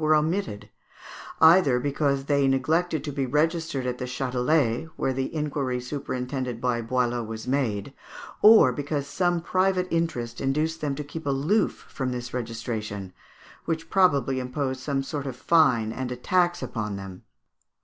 were omitted, either because they neglected to be registered at the Châtelet, where the inquiry superintended by Boileau was made, or because some private interest induced them to keep aloof from this registration, which probably imposed some sort of fine and a tax upon them.